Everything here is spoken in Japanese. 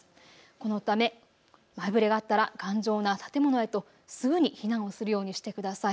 このため前触れがあったら頑丈な建物へとすぐに避難をするようにしてください。